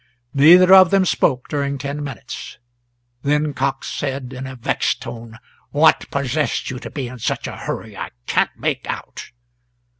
Neither of them spoke during ten minutes; then Cox said, in a vexed tone, "What possessed you to be in such a hurry, I can't make out."